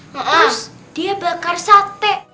terus dia bakar sate